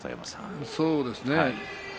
そうですね。